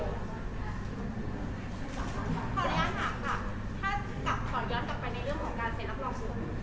ขออนุญาตค่ะถ้ากลับขอย้อนกลับไปในเรื่องของการเสร็จนับรองกลุ่ม